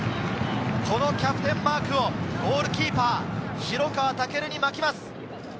このキャプテンマークをゴールキーパー・広川豪琉に巻きます。